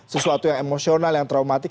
sesuatu yang emosional yang traumatik